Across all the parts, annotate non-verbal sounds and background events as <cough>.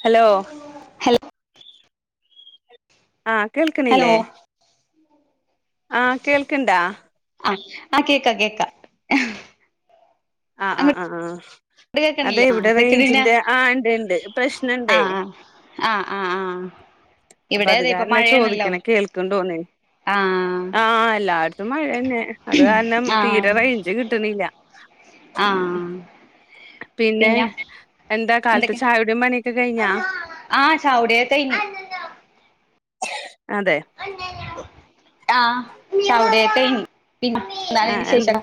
Hello hello ആ hello കേൾക്ക്ണില്ലേ ആ കേൾക്ക്ണ്ടാ ആഹ് ആ കേക്കാ കേക്കാ ആ ആ ആ അങ്ങോട്ട് അതെ കേക്കണില്ലേ ആ ഇവ്ടെ ഇതൊക്കെ പിന്നെ റേഞ്ചിന്റെ ആ ഇണ്ട് ഇണ്ട് ആ പ്രശ്നണ്ടേ ആ ആ അപ്പ ഇവിടെ അത് അതെ ഇപ്പ കാരണം മഴയാണല്ലോ ചോദിക്കണ കേൾക്ക് ണ്ടോന്ന് ആ ആ എല്ലാടത്തും മഴന്നെ അത് കാരണം ആ തീരെ റേഞ്ച് കിട്ടുന്നില്ല. ആ പിന്നെ കാലത്തെ എന്തൊക്കെ ചായുടിം പണിയൊക്കെ കഴിഞ്ഞാ ആ ചാവുടിയൊക്കെക്കയിഞ്ഞു അതെ ആ ചാവുടിയൊക്കെക്കഴിഞ് പിന്നെ ന്താ നിന്റെ വിശേഷം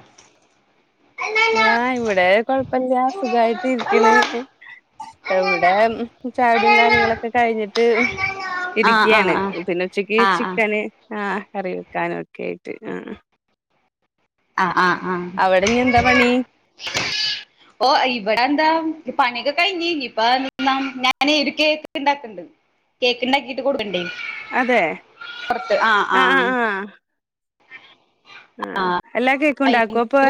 ആ ഇവിടെ കൊഴപ്പല്ല സുഖായിട്ട് ഇരിക്കണ് ഇവ്ടെ ചായുടിം കാര്യങ്ങളൊക്കെ കഴിഞ്ഞിട്ട് ആ ആ ഇരിക്ക്യാണ് പിന്നെ ഉച്ചക്ക് ആ ആ ആ ചിക്കന് ആ കറി വെക്കാനും ഒക്കയായിട്ട് ആ ആ അ ആഹ് ആ ഇനി എന്താ പണി ഓ യിബടന്താ പണി ഒക്കെ കഴിഞ്ഞ ഇപ്പ നി ഞാന് ഒരു കേക്ക് ഇണ്ടാക്ക്ണ്ട് കേക്ക് ഇണ്ടാക്കിട്ട് കൊടുക്കുണ്ടേ അതെ ആ ആ ആ ആ ആഹ് എല്ലാകേക്കുണ്ടാക്കോ പ്പോ?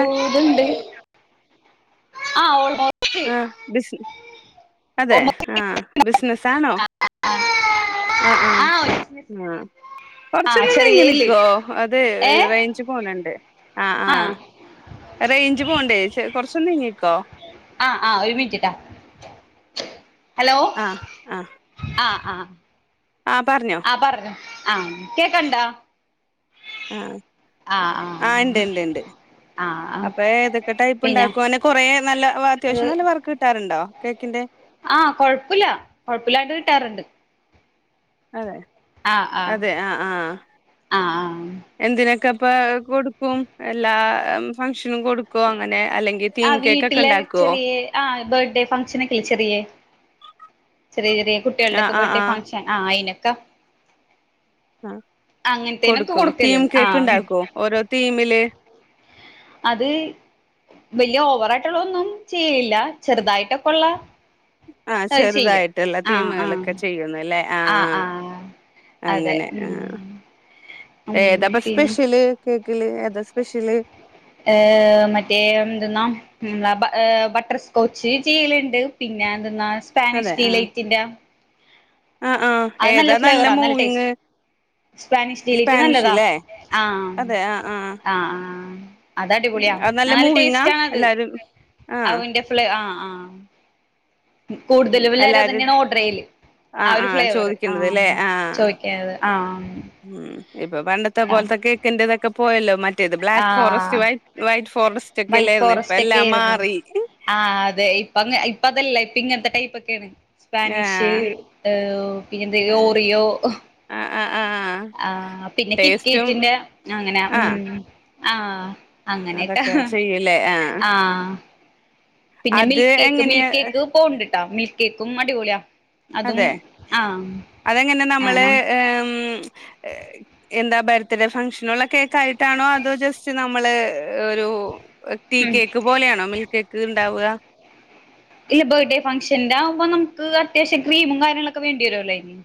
ആഹ് ഓ ആ ബിസി അതെ ഓൾമോസ്റ്റ് ആഹ് ബിസിനസാണോ ആ അ അ ആ ആ കൊറച്ചൊന്ന് നീങ്ങി ചെറിയേല് നിക്കുവോ അതെ റേഞ്ച് പോണണ്ട് ആഹ് റേഞ്ച് പോണ്ടേ ചെറി കൊറച്ചൊന്ന് നീങ്ങിക്കോ ആഹ് ആഹ ഒരു മിനിറ്റ് ട്ട ഹലോ ആ ആ അ ആ ആ പറഞ്ഞോ ആ പറഞ്ഞോ ആഹ് കേക്കണ്ടാ ആ ആ ആഹ് ഇണ്ട് ണ്ട് ണ്ട് ആ ആ അപ്പൊ ഏതൊക്കെ ടൈപ്പ് പിന്നെ ണ്ടാക്കോ കൊറെേ നല്ല അത്യാവശ്യം നല്ല വർക്ക് ട്ടാറുണ്ടോ കേക്കിൻ്റെ ആഹ് കൊഴപ്പില്ല കൊഴപ്പില്ലാണ്ട് കിട്ടാറിണ്ട് അതെ അതെ ആഹ് ആഹ് ആ ആ എന്തിന ഒക്കപ്പ കൊടുക്കും എല്ലാ ഫങ്ഷനും കൊടുക്കും അങ്ങനെ അല്ലെങ്കിൽ തീം ആഹ് കേക്ക് ഒക്കെ വീട്ടിലെ ഉണ്ടാക്കുവോ ചെറിയ ആ ബെഡേ ഫംഗഷനൊക്കെ ചെറിയേ ചെറിയ ചെറിയ ആഹ് കുട്ടികൾടെക്കെ ആഹ് ബെഡെ ആഹ് ഫങ്ഷൻ ആ അയിന് ക അ കൊടുക്കും തീം കൊടുക്കലുണ്ട് ആ കേക്ക് ഇണ്ടാക്കോ ഓരോ തീമില് അത് വലിയ ഓവറായിട്ടുള്ള ഒന്നും ചെയ്യില്ല ചെറുതായിട്ടൊക്കൊള്ള ആഹ് ചെറ്തായിട്ടുള്ള ആ തീമുകളൊക്കെ ചെയ്യുന്നല്ലേ ആഹ് ആ അതെ അങ്ങനെ ആഹ് ഉം ഉം ഏതപ്പ പിന്നെ സ്പെഷ്യല് കേക്ക് കിളി ഏതാ സ്‌പെഷ്യല് ഏഹ് മറ്റേ എന്ത്‌ന്നാ മ് ബ-ബട്ടർസ്കോച്ച് ചെയ്യലിണ്ട് പിന്നെന്ത്‌ന്നാ അതെ സ്പാനിഷ് ആഹ് ഡിലൈറ്റിന്റെ ആഹ് ആഹ് അത് നല്ല ഏതാ ഫ്ലേവറാ നല്ല മൂവിങ് ടേസ്റ്റ് സ്പാനിഷ്ഡിലൈറ്റ് നല്ലതാ സ്പാനിഷ്ല്ലേ ആഹ് അതെ ആഹ് ആഹ് അഹ് ആഹ് ഉം അതടിപൊളിയാ അത് നല്ല മൂവിങ്ങാ ടേസ്റ്റാണത് എല്ലാരും ആഹ് അവന്റെ ഫ്ളെ ആഹ് ആ അം കൂടുതലും എല്ലാരും അതന്നെയാണ് ഓഡ്രെയല്ല് ആ ആഹ് ഒരു ആഹ് ഫ്ലേവറ് ചോദിക്കുന്നത് ല്ലേ ആഹ് ചോയിക്കണത് ആഹ് ഉം ഇപ്പൊ പണ്ടത്തെ ആഹ് പോലത്തെ കേൾക്കിന്റെതൊക്കെ പോയല്ലോ മ റ്റത് ബ്ലാക്ക് ഫോറസ്റ്റ് ആഹ് വൈറ്റ് വൈറ്റ് വൈറ്റ് ഫോറസ്റ്റെക്കെല്ലാരുന്നോ ഇപ്പം ഫോറസ്റ്റ് ഒക്കെ എല്ലാം ആയിരുന്നു മാറി പ്പതല്ല ഇപ്പ ഇങ്ങൻത്തെ ടൈപ്പെക്കെണ് സ്പാനിഷ് ആഹ് ഏഹ് പിന്നെ എന്ത്‌ ആഹ് ഓറിയോ ആഹ് ആഹ് ആഹ് ആഹ് പിന്നെ ടേസ്റ്റും കിറ്റ്ക്കേറ്റിന്റെ അങ്ങനെ ആഹ് ഉം ആഹ് അങ്ങനെയൊക്കെ അതൊക്കെ ചെയ്യ്ലേ ആഹ് പിന്നെ അത് മിൽക്കേക്ക് എങ്ങനെയാ മിൽകേക്ക് പോണ്ട് ട്ട മിൽക്ക് കേക്കും അടിപൊളിയാ അതും അതെ ആഹ് അതെങ്ങനെ നമ്മള് ആനം മ്മ് എന്താ ബർത്ത്ഡേ ഫംഗ്ഷനൊളെ കേക്ക് ആയിട്ടാണോ അതോ ജസ്റ്റ് നമ്മള് ഒരു ടീ ഉം കേക്ക് പോലെയാണോ മിൽക്ക് കേക്ക് ഇണ്ടാവ ഇല്ല ബെത്ഡേ ഫങ്ഷന്റാവ്മ്പോ നമുക്ക് അത്യാശം ക്രീമും കാര്യങ്ങളൊക്കെ വേണ്ടി വരുല്ലോ അയിന്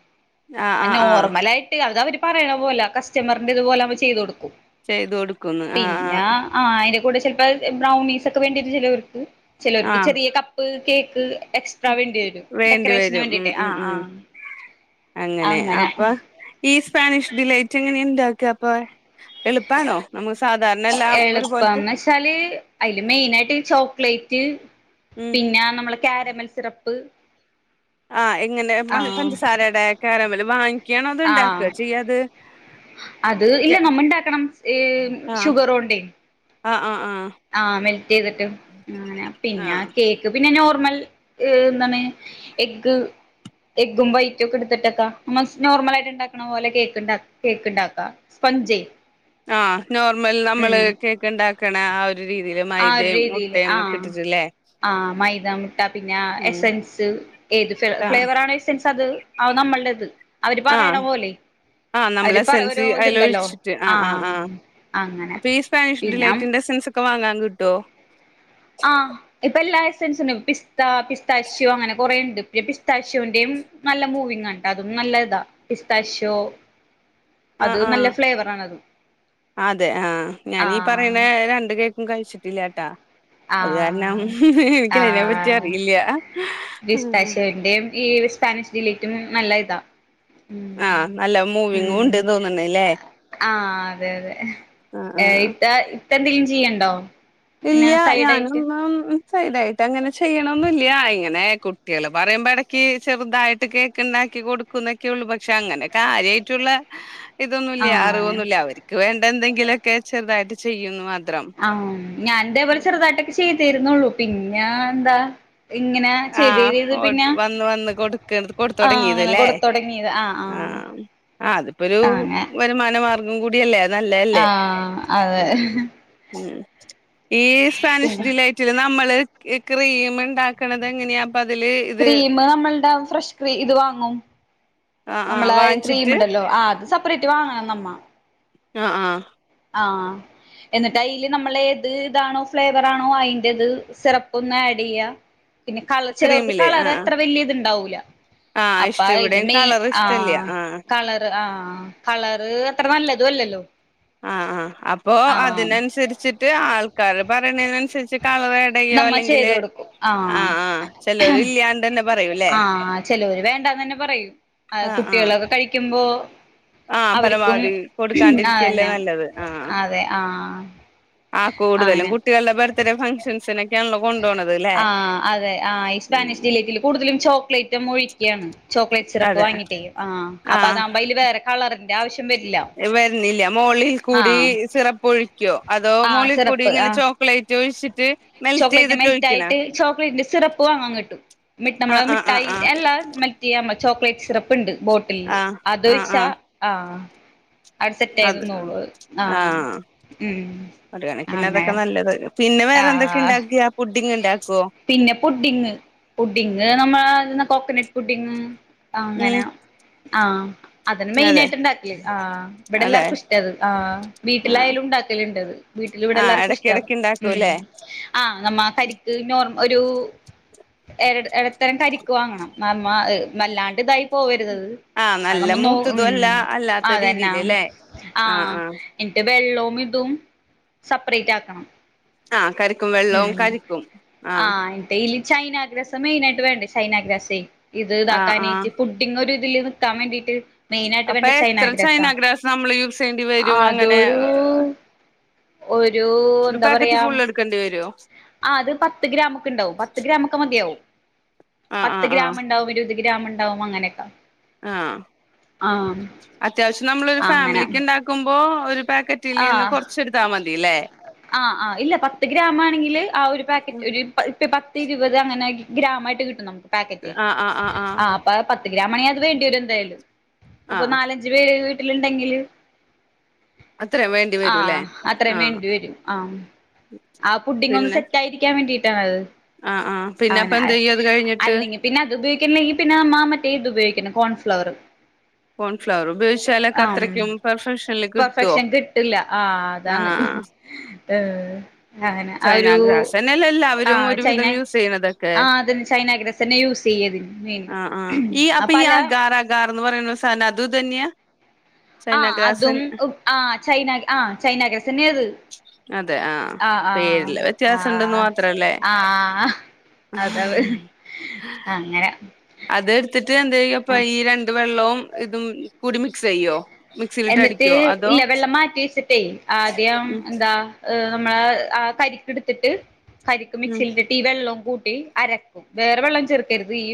ആഹ് അ ആഹ് ആഹ് നോർമലായിട്ട് അതവര് പറയണ പോലെ കസ്റ്റമറിന്റ്ത്പോലെ നമ്മ ചെയ്തു കൊടുക്കും ചെയ്ത് കൊടുക്കുന്ന് ആഹ് പിന്നാ ആഹ് ആരും കൂടെ ചെലപ്പോ ബ്രൗണീസക്കെ വേണ്ടിവര്ലേ ചെലർക്ക് ചിലർക്ക് ആഹ് ചെറിയ ക ക്ക് കേക്ക് എക്സ്ട്രാ വേണ്ടി വരും വേണ്ടി ഡെക്കറേഷന് വരും ഉം വേണ്ടിട്ട് ആ ഉം ആ ഉം അങ്ങനെ അപ്പ ഈ സ്പാനിഷ് ഡിലൈറ്റ് എങ്ങനെയാ ഉണ്ട ക്ക്അപ്പൊ എളുപ്പാണോ നമു എളുപ്പം വെച്ചാല് അയിൽ മെയിനായിട്ട് ചോക്ലേറ്റ് ഉം പിന്നെ നമ്മള് ക്യാരമൽ സിറപ്പ് ആ എങ്ങനെ ആ മഹ് പഞ്ചസാരടെ ക്യാരമല് വാങ്ങി ക്കാണോ അത് ആ ഇണ്ടാക്കാചെയ്യത് അത് ഇല്ല നമ്മ ഇണ്ടാക്കണം ഈഷുഗറോണ്ടയ് അ ആ ആ മെൽറ്റെയ്തിട്ട് അങ്ങനെയാ പിന്നെ ആഹ് കേക്ക് പിന്നെ നോർമ മൽ എന്താണ് എഗ്ഗ് എഗ്ഗും വൈറ്റും ഒക്കെ എടുത്തിട്ടക്ക നമ്മ നോർമൽ ആയിട്ട് ഇണ്ടാക്കണ പോലെ കേക്ക് കേക്ക് ഇണ്ടാക്ക സ്പഞ്ചയ് ആ നോർമൽ നമ്മള് കേക്ക് ഇണ്ടാക്കണ ആ ഒരു രീതി ആ ഒരു രീതിയില് ആ ആ മൈദ മുട്ട പിന്നെ ആ ഉം എസൻസ് ഏത് ഫ ആഹ് ഫ്ലേവർ ആണ് എസൻസ് അത് ആ നമ്മളുടെ ഇത് അവര് പറയണ ആഹ് പോലെ ആഹ് അയിൽ നമ്മള് പറ എസൻസ് ഓരോഇത്ണ്ടല്ലോ അതിലൊഴിച്ചിട്ട് ആ ആഹ് ആഹ് ആഹ് അങ്ങനെ പിന്നെ അ ക്കെവാങ്ങാൻ കിട്ടോ ആ ഇപ്പൊ എല്ലാ എസൻസിനും പിസ് സ്താ പിസ്താശോ അങ്ങനെ കൊറെണ്ട് പിന്നെ പിസ്താഷോന്റെയും നല്ല മൂവിങ്ങാട്ട അതും നല്ല ഇതാ പിസ്താഷോ അത് ആഹ് ആഹ് നല്ല ഫ്ലേവറാണ് അത് അതെ ആ ഞാനീ പറയണ രണ്ട് കേ കഴിച്ചിട്ടില്ലാട്ടാ അത് കാരണം ആഹ് എനിക്കയിനെ പറ്റി ആഹ് അറിയില്ല പിസ്താശ്യോന്റെയും ഈ സ്പാനിഷ് ഡിലേറ്റും നല്ല ഇതാ ആ ഉം നല്ല ഉം മൂവവിങ്ങുണ്ട്ന്ന് തോന്നണല്ലേ ആഹ് അതെ ആ ആ അതെ ഇത്ത <unintelligible> എന്തെങ്കിലും ചെയ്യണ്ടോ പിന്നെ ഇല്യാ ഞാൻ സൈഡായിട്ട് ഇതൊന്നും സൈഡായിട്ട് അങ്ങനെ ചെയ്യണൊന്നില്യ ഇങ്ങനെ കുട്ടികള് പറയുമ്പോ ഇടക്ക് ചെറുതായിട്ട് കേക്കിണ്ടാക്കി കൊടുക്കുന്നൊക്കെയുള്ളു പക്ഷെ അങ്ങനെ കാര്യായിട്ടുള്ള ഇതൊന്നുല്ല ആഹ് അറിവന്നുല്ല അവർക്ക് വേണ്ട എന്തെങ്കിലൊക്കെ ചെറുതായിട്ട് ചെയ്യുന്നു മാ ആ ഞാൻ ഇതേപോലെ ചെറുതായിട്ടൊക്കെ ചെ തിരുന്നുള്ളു പിന്നാ എന്താ ഇങ്ങനെ ചെയ്ത് ചെയ്ത് ആഹ് ചെയ്ത് പിന്നെ വന്ന് വന്ന് കൊടുക്കണത് ആഹ് കൊടുത്തൊടങ്ങിയത് അങ്ങനെ ല്ലേ കൊടുത്തൊടങ്ങിയത് ആഹ് ആ അതിപ്പൊരു അങ്ങനെ വരുമാന മാർഗം കൂടിയല്ലേ അത് നല്ലതല്ലേ ആഹ് അതെ ആഹ് ഉം <unintelligible> ഈ സ്പാനിഷ് പിന്നെ ഡിലൈറ്റില് നമ്മള് ഈ ക്രീമിണ്ടാ ക്കണത് എങ്ങനെയാ? അതില് ഇത് ക്രീമ് നമ്മൾടെ ഫ്രഷ് ക്രീ ഇത് വാങ്ങും ആഹ് ആഹ് നമ്മള ക്രീം വാങ്ങിച്ചിട്ട് ഇണ്ടല്ലോ ആ അത് സെപ് <unintelligible> വാങ്ങണം നമ്മ ആഹ് ആഹ് ആഹ് എന്നിട്ട് അതില് നമ്മള് ഏത് ഇതാണോ ഫ്ലേവറാണോ അതിൻറെ ഇത് സിറപ്പൊന്ന് ആഡ് ചെയ്യാ പിന്നെ കളർ ചിലവർക്ക് ക്രീമില് ആഹ് കളറ് അത്ര വലിയ ഇത്ണ്ടാവൂ ല്യ ആഹ് ആഹ് അപ്പ ഇഷ്ട ഇത് ഇവിടെയും മേ കളർ ഇഷ്ടല്ല ആഹ് കളറ് ആഹ് ആ കളറ് അത്ര നല്ലതും അല്ലല്ലോ അഹ് ആഹ് അപ്പൊ ആഹ് അതിനനുസരിച്ചിട്ട് ആൾക്കാര പറയണനേന് അനുസ നമ്മ ചെയ്ത കൊടുക്കും ആഹ് ചിലര് ഇല്ലാണ്ട് തന്നെ പറയൂല്ലേ ആഹ് ചിലവര് വേണ്ടാന്ന് തന്നെ പറയും കുട്ടികളൊക്കെ കഴിക്കുമ്പോ ആ അവർക്കും പരമാവധി കൊടുക്കാണ്ടിരിക്കുകല്ലേ അതന്നെ നല്ലത് ആഹ അതെ ആഹ് ആ കൂടുതലും അങ്ങനെ കുട്ടികള ബർത്ത്ഡേ ഫങ്ക്ഷൻസിനൊക്കെ ആണല്ലോ ആ അതെ ആ ഈ സ്പാനിഷ് ജില്ലീറ്റൽ കൂടു കൂടുലും ചോക്ലേറ്റ് ഒഴിക്കുകയാണ് ചോക്ലേറ്റ് സിറപ്പ് അതെ വാങ്ങിട്ടേ ആ അപ്പൊ ആഹ് അതാകുമ്പോ അതില് വേറെ കളറിന്റെ ആവശ്യം വരില്ല വരുന്നില്ല ആഹ- ോ അതോ മോളിൽകൂടി ഇങ്ങനെ ചോക്ലേറ്റ് ഒഴിച്ചിട്ട് മെൽറ്റ് ചെയ്തിട്ട് ഒഴിക്കന്നോ ആ ഇതിന്റെ സിറപ്പ് വാങ്ങൻ കിട്ടും എന്നിട്ട് നമ്മള ആഹ് ആഹ് മിഠായി ആഹ് എല്ലാമ് മേൽറ്റ് ചെയ്യാൻ വയ്ക്കും ചോക്ലേറ്റ് സിറപ്പ് ഉണ്ട് ബോട്ടിൽ ആഹ് ആഹ് ആഹ് അതൊഴിച്ചാ ആഹ് ആ അവിടെ സെറ്റ് ആയിത്ന്നോള്ളു ആഹ ഒരുകണക്കിന് അതൊക്കെ നല്ലത് പിന്നെ വേറെ എന്തൊക്കെ ആഹ ഇണ്ടാക്കിയ പുഡിങ് ഇണ്ടാക്കുവോ പിന്നെ പുഡിങ് പുഡിങ് നമ്മള കോക്കനട്ട് പുട്ടിങ് ഉം അങ്ങനെ ആഹ അതെ മെയിന് ആയിട്ട് ഉണ്ടാക്കല് ആ ഇവിടെ അതെ എല്ലാവർക്കും ഇഷ്ട അത് ആ ആഹ് വീട്ടിലായാലും ഉണ്ടാക്കലുണ്ടത് വീട്ടിൽ ഇവിടെ ആഹ് എല്ലാവർക്കും ഇഷ്ട എടക്കിടക്ക് ഉ ഇണ്ടാക്കൂല്ലേ ആഹ് നമ്മ കരിക്ക് നോർ- ഒരു ഇടത്തരം കരിക്ക് വാങ്ങണം -വല്ലാണ്ട്ഇതായി പോവരു ത് ആഹ് അത് നല്ല നമ്മ നോ മ് മൂത്തതും അല്ല അല്ലാത്ത അതന്നെ രീതിയില് ല്ലേ ആ ആഹ് ആഹ് എന്നിട്ട് വെള്ളോം ഇതും സെപ്പറേറ്റ് ആക്കണം ആഹ കരിക്ക് ക്കും വെള്ളവും കരിക്കും ആ ചൈനാഗ്രസ മെയിനായിട്ട് വേണ്ടേ ചൈനാഗ്രസേ ഇത് ആഹ് ഇതാക്കാനേയിട്ട് ആഹ് പുഡിങ്ങൊരു തിൽ നിക്കാൻവേണ്ടിട്ട് അപ്പൊ എത്ര ചൈന ഗ്രാസ് നമ്മൾ യൂസ് ചെയ്യേണ്ടി വരും അങ്ങനെ അതൊരു ഒരു പാക്കറ്റ് ഫുള് എടുക്കേണ്ടി വരും ആ അത് പത്ത് ഗ്രാമൊക്കെ ഉണ്ടാവും പത്ത് ഗ്രാമക്കെ മതിയാവും ആഹ് പത്ത് ആഹ് ഗ്രാമ് ആഹ് ഉണ്ടാവും ഒരു ഇതില് ഗ്രാമണ്ടാവും അങ്ങനെയൊക്കെ ആഹ ആഹ് അത്യാവശ്യം നമ്മളാരു അങ്ങനെ ഫാമിലിക്ക് ഉണ്ടാക്കുമ്പോ പാക്കറ്റിൽന്ന് ആഹ് കൊറച്ചെടുത്താൽ മതില്ലേ ആഹ് ആ ഇല്ല പത്ത് ഗ്രാം ആണെങ്കിൽ ആ ഒരു പാക്കറ്റ് ഒരു ഇപ്പ പത്ത് ഇരുപത് അങ്ങനെ ഗ്രാമായിട്ട് കിട്ടും നമുക്ക് പാക്കറ്റ് ആഹ് ആഹ് ആഹ് ആഹ് ആ പത്ത് ഗ്രാമാണെ അത് വേണ്ടിയവരുംഎന്തായാലും ഇപ്പൊ ആഹ് നാലഞ്ചു പേര് ഇണ്ടെങ്കില് അത്രയും വേണ്ടി ആ വരൂല്ലേ അത്രയും ആഹ് വേണ്ടി വരും ആ ആ പുഡിങ് ഒന്ന് പിന്നെ സെറ്റ് ആയിരിക്കാൻ വേണ്ടിട്ട് ആഹ് ആഹ് <unintelligible> അ പിന്നെ അപ്പൊ നാൻ എന്ത് ചെയ്യും അത് കഴിഞ്ഞിട്ട് അല്ലെങ്കിൽ പിന്നെ അത് ഉപയോഗിണില്ലെങ്കിൽ പിന്നെ മാ മറ്റേ ഇത് ഉപയോഗിക്കണം കോൺഫ്ലവർ കോൺഫ്ലവർ ഉപയോഗിച്ചാലൊക്കെ ആഹ് അത്രയ്ക്കും പെർഫെക്ഷൻ പെർഫെക്ഷൻ കിട്ടില്ല ആ അതാണ് ആഹ് ആഹ് ആന്നെ ചൈന ഒരു ഗ്രാസ് തന്നെയല്ലേ ആ എല്ലാവരും ചൈന ഒരുവിധം യൂസ് ചെയ്യണതൊക്കെ ആ അതന്നെ ചൈനാഗ്രാസ് തന്നെ യൂസ് ചെയ്യതിന് മെയിൻ ആഹ് ആഹ് ഈ അപ്പൊ ഈ അപ്പല അഗാർ അഗാർന്ന് പറയുന്ന സാധനം അതുമിതന്നെയാ ആ അതും ആ ചൈന ആ ചൈനാ ഗ്രാസന്നെ അതെ ആഹ് പേരില് ആഹ് വ്യത്യാസംണ്ടെന്ന് ആഹ് മാത്രല്ലേ ആഹ് ആഹ് അത് അങ്ങനെ അതെടുത്തിട്ട് എന്തേയ്യും അപ്പ ഈ രണ്ട് വെള്ളവും ഇതും കൂടിമിക്സെയ്യോ എന്നിട്ട് ഇല്ല വെള്ളം മാറ്റി വെച്ചിട്ടേ ആദ്യം ഉം എന്താ നമ്മള ആ കരിക്കെടുത്തിട്ട് കരിക്ക് ഉം മിക്സ്യ്തിട്ട് ഈ വെള്ളോം കൂട്ടി അരക്കും വേറെ വെള്ളം ചെർക്കരുത് ഈ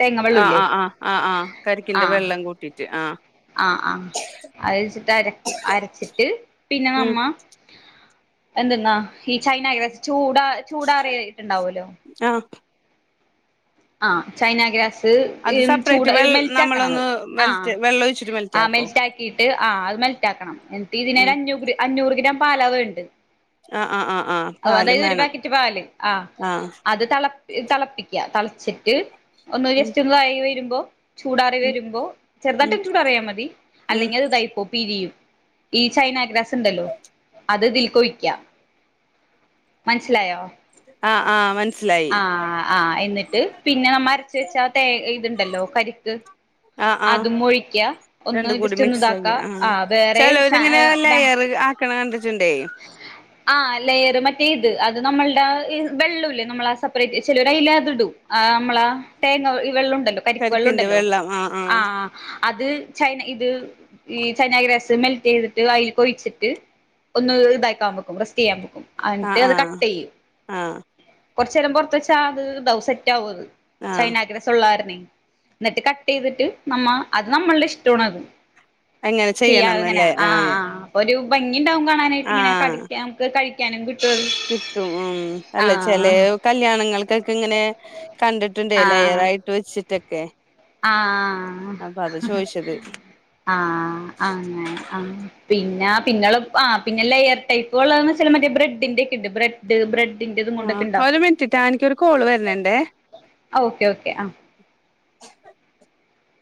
തേങ്ങ ആ വെള്ളമില്ലേ ആ ആ ആ ആ കരിക്കിന്റെ വെള്ളം കൂട്ടിട്ട് ആ ആഹ് ആഹ് അത്ച്ചിട്ട് അരക്കും അരച്ചിട്ട് പിന്നെ ഉം നമ്മ എന്ത്ന്നാ ഈ ചൈനഗ്രാസ്സ് ചൂട് ചൂട ചൂടാറിയയിട്ടുണ്ടാവല്ലോ ആഹ് ആഹ ചൈനഗ്രാസ്സ് അത് സെപ്പറേറ്റ് ചൂട് വെ ഇത് മെൽറ്റ് ആക്കണംത് നമ്മളൊന്ന് ആ മെൽറ്റ് വെള്ളം ഒഴിച്ചിട്ട് ആ ആക്കോ മെൽറ്റ് ആക്കിയിട്ട് ആ അത് മെൽറ്റ് ആക്കണം എന്നിട്ട് ഇതിന ഉം അഞ്ഞൂ അഞ്ഞൂറ് ഗ്രാം <unintelligible> പാ ആഹ് ആഹ് ആഹ് ആഹ് പാലും അതായത് ഒരു വേണം പാക്കറ്റ് പാല് ആ ആഹ് അത് തള തളപ്പിക്ക തളപ്പ ട്ട് ഒന്ന് ഉം ജസ്റ്റ് <unintelligible> വരുമ്പോ ചൂടാറി ഉം വരുമ്പോ ഉം ചെറുതായിട്ടൊന്നു ചൂടാറിയാൽ മതി ഉം അല്ലെങ്കിൽ ഇതായിപ്പോം പിരിയും. ഈ ചൈനഗ്രാസ് ഇണ്ടല്ലോ അത് ഇതിൽക്കൊയ്ക്ക മനസിലായോ ആ ആ മൻ ആഹ് ആഹ് എന്നിട്ട് പിന്നെ നമ്മ അരച്ച വെച്ചാ ഇത്ണ്ടല്ലോ കരിക്ക് ആഹ് ആഹ് അതും ഒഴിക്ക ഒന്ന് രണ്ടും കൂടി ജസ്റ്റ് ഒന്ന് മിക്സ് ഇതാക്ക ആയി ആഹ് ആ വേറെ സാ ചെലോരിങ്ങനെ ലെയർ <unintelligible> ആഹ് ലയറ് മറ്റ ത് അത് നമ്മൾടെ വെള്ളൂല്ലേ നമ്മള ആ സെപ്പറേറ്റ് ചിലോല് അയിലതിടും ആ നമ്മള തേങ്ങ വെള്ള ണ്ടല്ലോ കരിക്കിന്റെ കരിക്കവെള്ളുണ്ടല്ലോ വെള്ളം ആഹ് ആഹ് ആ അത് ചൈന ഇത് ഈ ചൈനഗ്രസ്സ് മെൽറ്റ് ചെയ്തിട്ട് അതിൽ കൊഴിച്ചിട്ട് ഒന്ന് ഇതാക്കാൻ വെക്കും റസ്റ്റ്‌ ചെയ്യാൻ വെക്കും നിട്ട് ആഹ് അത് ആഹ് കട്ടെയ്യും ആഹ് കുറച്ചേരം പുറത്ത വെച്ചാ അത് തൗ സെറ്റ് ആവും ത് ആഹ് ചൈനഗ്രസ്സ് ഉള്ള കാരണെ ന്നട്ട് ക്കട്ടെയ്തിട്ട് നമ്മ അത് നമ്മള്ടെ ഇഷ്ട്ടോണത് അങ്ങനെ ചെയ്യാങ്ങനെ ചെയ്യണംന്നല്ലേ ആഹ് ഒരു ഭംഗി ഇണ്ടാവും. കാണാനായിട്ട്ങ്ങനെ ആഹ് കടിക്ക്യ മ്മക്ക് കഴി കെനെങ്കു കിട്ടും ഉം അല്ല ചെലേ കല്യാണങ്ങൾക്ക് ക്ക് ഇങ്ങനെ കണ്ടിട്ടുണ്ട് എ ആഹ് ലയറായിട്ട് വെച്ചിക്കെ ക്കെ ആഹ് ആഹ് അങ്ങനെ ആഹ് പിന്നെ പിന്നെള്ളം ആഹ് പിന്നെ ലെയർടൈപ്പോള്ളാന്നച്ചാ മറ്റെ ബ്രെഡിന്റെക്കെ ബ്രെഡ് ബ്രെഡ് ആഹ് ഒരു മിൻറ്റ്ട്ടാ ഇൻക്ക്യൊരു കോള് വരണ് ണ്ടേ. ഓക്കെ ഓക്കെ ആഹ്